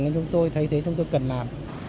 nên chúng tôi thấy thế chúng tôi cần làm